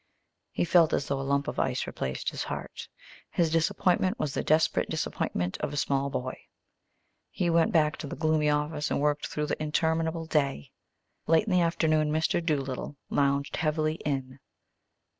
He felt as though a lump of ice replaced his heart. His disappointment was the desperate disappointment of a small boy. He went back to the gloomy office and worked through the interminable day. Late in the afternoon Mr. Doolittle lounged heavily in.